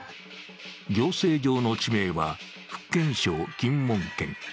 行政上の地名は福建省金門県。